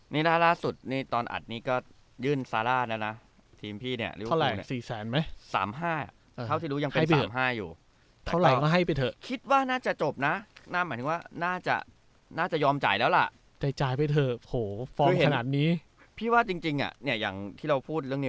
นี่จริงน่ารักสุดทีมพรีมก็ยื่นซาร่าร์ดนะนะ